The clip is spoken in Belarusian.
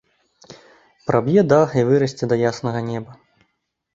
Праб'е дах і вырасце да яснага неба.